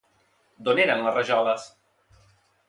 D'on eren les rajoles?